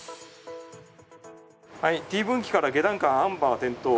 Ｔ分岐から下段間アンバー点灯。